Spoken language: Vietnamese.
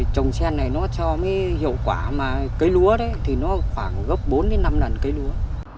trồng sen này nó cho mấy hiệu quả mà cây lúa đấy thì nó khoảng gấp bốn đến năm lần cây lúa